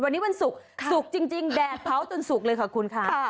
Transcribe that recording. วันนี้วันศุกร์ครับศุกร์จริงจริงแดดเผาต้นศุกร์เลยขอคุณค่ะค่ะ